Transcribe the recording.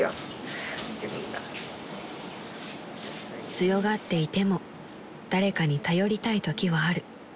［強がっていても誰かに頼りたいときはある］